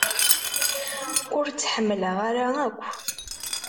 Ur tt-ḥemmleɣ ara akk.